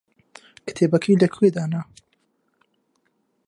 کتێبەکەی لەکوێ دانا؟